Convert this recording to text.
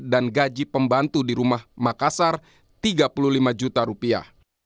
dan gaji pembantu di rumah makassar rp tiga puluh lima juta